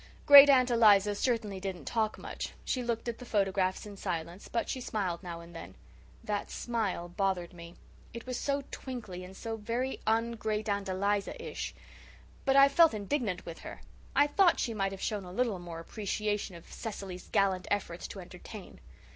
Great aunt Eliza certainly didn't talk much; she looked at the photographs in silence, but she smiled now and then. That smile bothered me. It was so twinkly and so very un great aunt Elizaish. But I felt indignant with her. I thought she might have shown a little more appreciation of Cecily's gallant efforts to entertain.